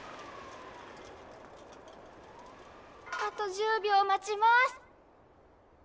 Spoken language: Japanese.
あと１０秒待ちます。